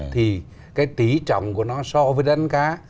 thì cái tỉ trọng của nó so với đánh cá